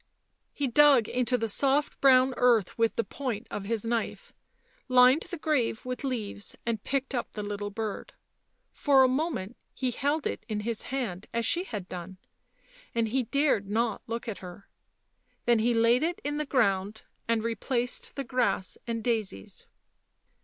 He dug into the soft brown earth with the point of his knife, lined the grave with leaves, and picked up [ the little bird. For a moment he held it in his hand | as she had done. And he dared not look at her. Then he laid it in the ground and replaced the grass and daisies.